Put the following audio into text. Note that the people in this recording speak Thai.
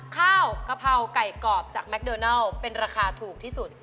ข้าวกะพาวกร่ายกรอกจากแมคเดอร์นอลเป็นราคาถูกที่สุด